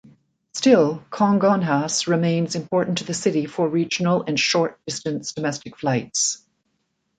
Still, Congonhas remains important to the city for regional and short-distance domestic flights.